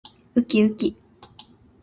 うきうき